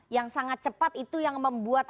yang sangat cepat itu yang membuat